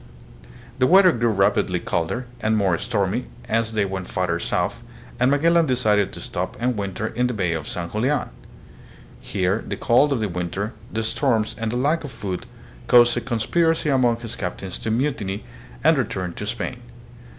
The weather grew rapidly colder and more stormy as they went farther south, and Magellan decided to stop and winter in the Bay of San Julian. Here the cold of the winter, the storms, and the lack of food caused a con spiracy among his captains to mutiny and return to Spain.